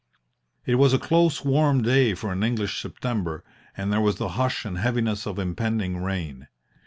"It was a close, warm day for an English September, and there was the hush and heaviness of impending rain.